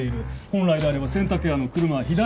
本来であれば洗濯屋の車は左方向。